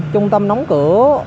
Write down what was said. trung tâm đóng cửa